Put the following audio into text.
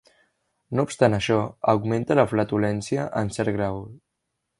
No obstant això, augmenta la flatulència en cert grau.